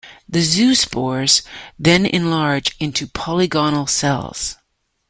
The zoospores then enlarge into polygonal cells.